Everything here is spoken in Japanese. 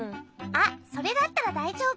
あっそれだったらだいじょうぶ。